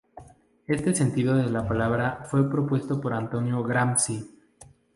Este sentido de la palabra fue propuesto por Antonio Gramsci.